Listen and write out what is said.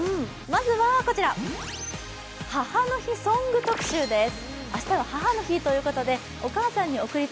まずはこちら、母の日ソング特集です。